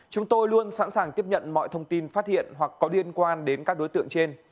chúng tôi luôn sẵn sàng tiếp nhận mọi thông tin phát hiện hoặc có liên quan đến các đối tượng trên